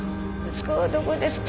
息子はどこですか？